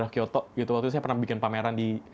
kyoto gitu waktu itu saya pernah bikin pameran di